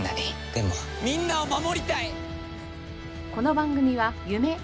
でもみんなを守りたい！